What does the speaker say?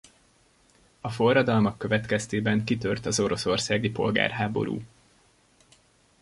A forradalmak következtében kitört az oroszországi polgárháború.